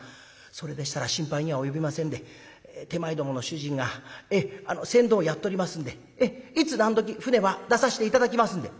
「それでしたら心配には及びませんで手前どもの主人が船頭をやっとりますんでいつ何どき舟は出さして頂きますんで」。